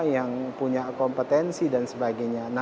yang punya kompetensi dan sebagainya